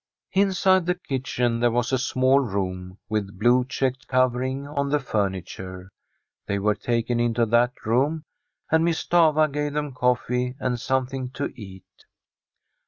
Inside the kitchen there was a small room, with blue checked covering on the furniture. They were taken into that room, and Miss Stafva gave them coffee and something to eat.